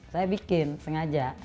saya bikin sengaja